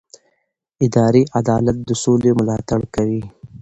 اداري عدالت د سولې ملاتړ کوي